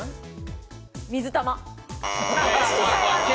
水玉。